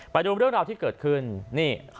ไปดูเรื่องราวที่เกิดขึ้นนี่